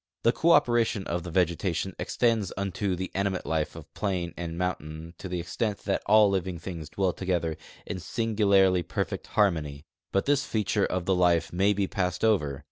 The cooperation of the vegetation extends unto the animate life of plain and moun tain to the extent that all living things dwell together in singu larl}'' perfect harmony ; but this feature of the life may be passed over.